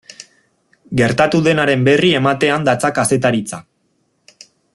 Gertatu denaren berri ematean datza kazetaritza.